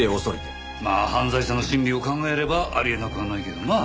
まあ犯罪者の心理を考えればあり得なくはないけどな。